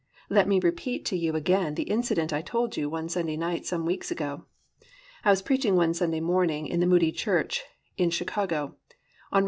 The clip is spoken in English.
Let me repeat to you again the incident I told you one Sunday night some weeks ago. I was preaching one Sunday morning in the Moody church in Chicago on Rom.